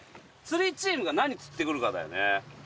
釣りチームが何釣ってくるかだよね。